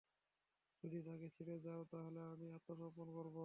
যদি তাকে ছেড়ে দাও, তাহলে আমি আত্মসম্পর্ণ করব।